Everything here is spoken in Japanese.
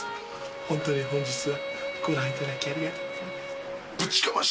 本当に本日はご覧いただきありがとうございます。